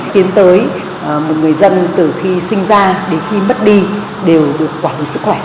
khiến tới một người dân từ khi sinh ra đến khi mất đi đều được quản lý sức khỏe